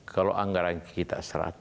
kalau anggaran kita seratus